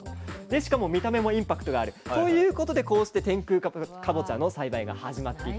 しかも見た目もインパクトがあるということでこうして天空かぼちゃの栽培が始まっていったわけなんですね。